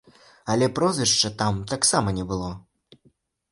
Але прозвішча там таксама не было.